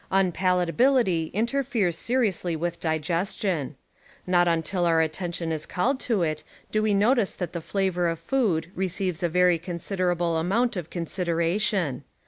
Unpalatability interferes seriously with digestion. Not until our atten tion is called to it do we notice that the flavor of food receives a very considerable amount of consideratiim.